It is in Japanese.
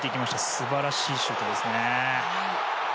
素晴らしいシュートですね。